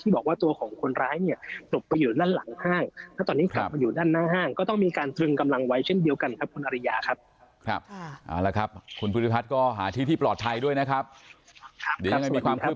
บริเวณบริษัทก็หาที่ปลอดภัยด้วยนะครับ